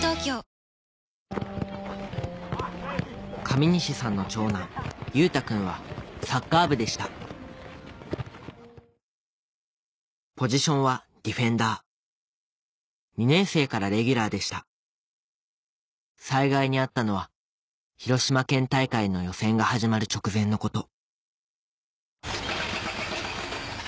上西さんの長男・優太くんはサッカー部でしたポジションはディフェンダー２年生からレギュラーでした災害に遭ったのは広島県大会の予選が始まる直前のこと